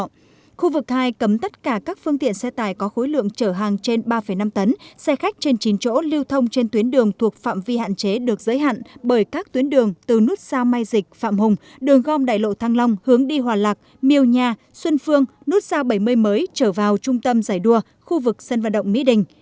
khu vực hai cấm tất cả các phương tiện xe tải có khối lượng chở hàng trên ba năm tấn xe khách trên chín chỗ lưu thông trên tuyến đường thuộc phạm vi hạn chế được giới hạn bởi các tuyến đường từ nút sao mai dịch phạm hùng đường gom đại lộ thăng long hướng đi hòa lạc miêu nha xuân phương nút sao bảy mươi mới trở vào trung tâm giải đua khu vực sân vận động mỹ đình